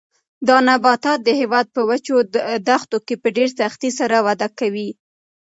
دا نباتات د هېواد په وچو دښتو کې په ډېر سختۍ سره وده کوي.